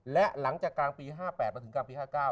และหลังจากกลางปี๕๘มาถึงกลางปี๕๙